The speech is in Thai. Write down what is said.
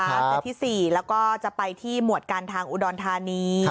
เซตที่๔แล้วก็จะไปที่หมวดการทางอุดรธานี